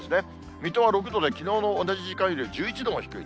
水戸は６度で、きのうの同じ時間よりは１１度も低い。